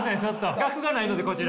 学がないのでこちら。